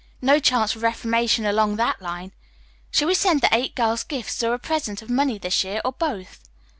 No chance for reformation along that line. Shall we send the eight girls gifts or a present of money this year, or both?"